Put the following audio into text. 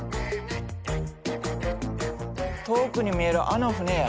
遠くに見えるあの船や。